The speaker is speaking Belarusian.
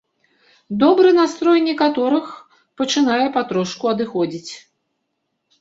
Добры настрой некаторых пачынае патрошку адыходзіць.